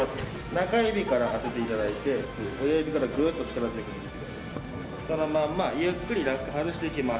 中指から当てていただいて親指から、ぐっと力強く握ってもらいます。